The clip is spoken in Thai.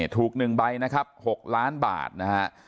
ถูก๑ใบนะครับ๖ล้านบาทนะฮะ